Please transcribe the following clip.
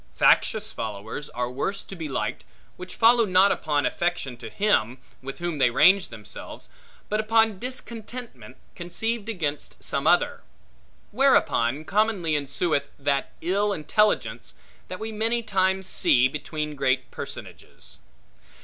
Factious followers are worse to be liked, which follow not upon affection to him, with whom they range themselves, but upon discontentment conceived against some other; whereupon commonly ensueth that ill intelligence, that we many times see between great personages.